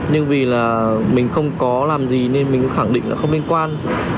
nhưng vì là mình không có làm gì nên mình cũng khẳng định nó không liên quan